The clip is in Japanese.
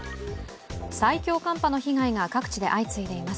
最強寒波の被害が各地で相次いでいます。